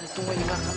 tungguin makan mak